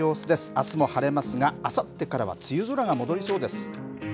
あすも晴れますが、あさってからは梅雨空が戻りそうです。